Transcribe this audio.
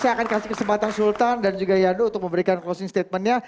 saya akan kasih kesempatan sultan dan juga yandu untuk memberikan closing statementnya